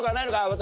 私。